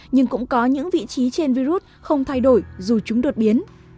nhưng cũng có những vị trí trên virus không thay đổi dù chúng đột biến